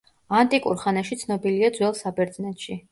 ანტიკურ ხანაში ცნობილია ძველ საბერძნეთში.